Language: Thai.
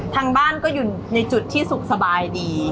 ทางบ้านก็อยู่ในจุดที่สุขสบายดี